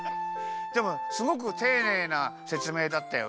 でもすごくていねいなせつめいだったよね。